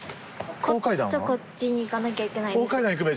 こっちとこっちに行かなきゃいけない。